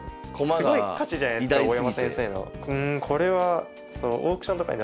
すごい価値じゃないすか大山先生の。